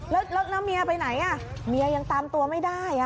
แล้วเมียไปไหนเมียยังตามตัวไม่ได้